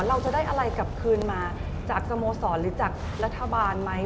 เราจะได้อะไรกลับคืนมาจากสโมสรหรือจากรัฐบาลไหม